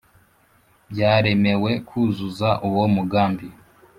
byaremewe kuzuza uwo mugambi,